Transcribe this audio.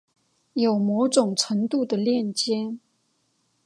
有某种程度的链接